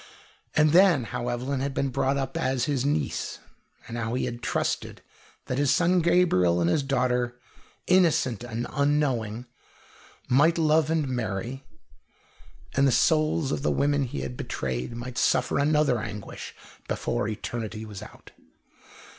And then, how Evelyn had been brought up as his niece, and how he had trusted that his son Gabriel and his daughter, innocent and unknowing, might love and marry, and the souls of the women he had betrayed might suffer another anguish before eternity was out.